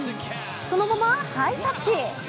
そのままハイタッチ。